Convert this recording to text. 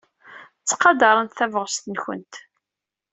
Ttqadarent tabɣest-nwent.